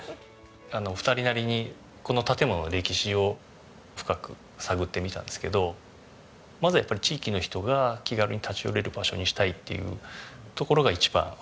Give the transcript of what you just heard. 二人なりにこの建物の歴史を深く探ってみたんですけどまずはやっぱり地域の人が気軽に立ち寄れる場所にしたいっていうところが一番。